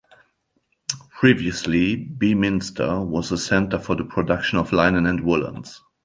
Previously Beaminster was a centre for the production of linen and woollens.